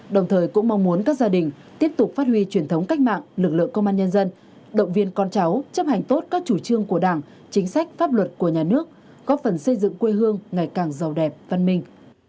đồng thời cũng mong muốn các gia đình tiếp tục phát huy truyền thống cách mạng lực lượng công an nhân dân động viên con cháu chấp hành tốt các chủ trương của đảng chính sách pháp luật của nhà nước góp phần xây dựng quê hương ngày càng giàu đẹp văn minh